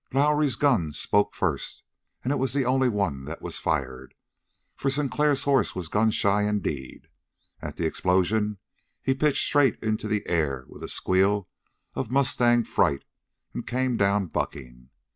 Lowrie's gun spoke first, and it was the only one that was fired, for Sinclair's horse was gun shy indeed. At the explosion he pitched straight into the air with a squeal of mustang fright and came down bucking.